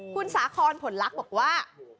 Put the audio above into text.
คุณสาคอนผลลักษณ์บอกว่า